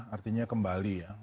artinya kembali ya